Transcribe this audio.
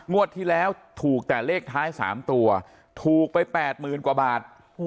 ที่แล้วถูกแต่เลขท้าย๓ตัวถูกไป๘๐๐๐กว่าบาท